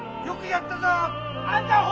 よくやった！